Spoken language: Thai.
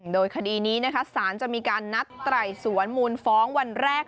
โดยคดีนี้นะคะสารจะมีการนัดไต่สวนมูลฟ้องวันแรก